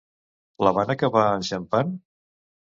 La van acabar enxampant?